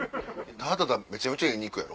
ただただめちゃめちゃええ肉やろ？